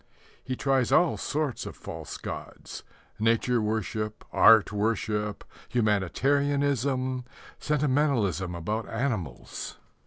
He tries all sorts of false gods nature worship, art worship, humanitarianism, sentimentalism about animals.